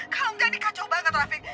kalau nggak ini kacau banget rafiq